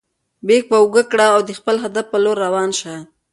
بیک په اوږه کړه او د خپل هدف په لور روان شه.